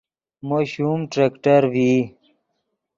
مو شوم ٹریکٹر ڤئی